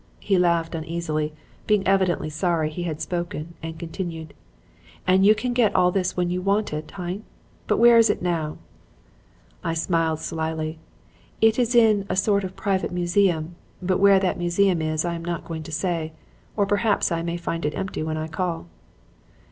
He laughed uneasily, being evidently sorry he had spoken, and continued: "'And you can get all this when you want it, hein? But where is it now?' "I smiled slyly. 'It is in a sort of private museum; but where that museum is I am not going to say, or perhaps I may find it empty when I call.'